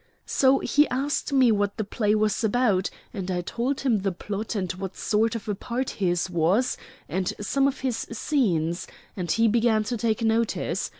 So he asked me what the play was about, and I told him the plot and what sort of a part his was, and some of his scenes, and he began to take notice.